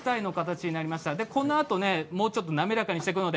このあともうちょっと滑らかにしていきます。